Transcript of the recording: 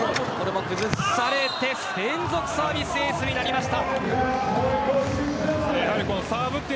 連続サービスエースになりました。